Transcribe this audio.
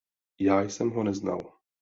Já jsem ho neznal.